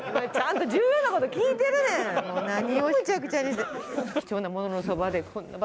もう何をむちゃくちゃにして。